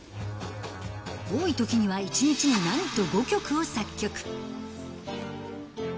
多いときには１日になんと５曲を作曲。